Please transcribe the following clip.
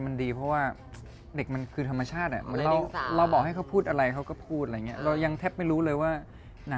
เปลี่ยนแฟนเยอะมากตอนนี้เค้าขบใครครับ